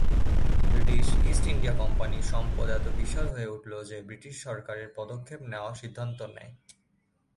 British East India কোম্পানির সম্পদ এত বিশাল হয়ে উঠল যে ব্রিটিশ সরকার পদক্ষেপ নেওয়ার সিদ্ধান্ত নেয়।